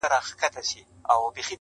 زه د یویشتم قرن ښکلا ته مخامخ یم ـ